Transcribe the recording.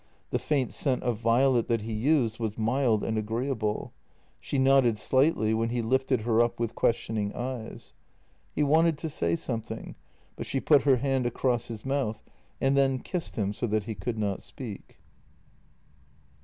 The faint scent of violet that he used was mild and agreeable. She nodded slightly when he lifted her up with questioning eyes. He wanted to say something, but she put her hand across his mouth and then kissed him so that he could not speak.